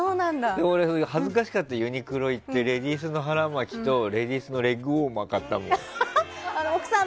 恥ずかしかった俺、ユニクロ行ってレディースの腹巻きとレディースのレッグウォーマー買ったもん。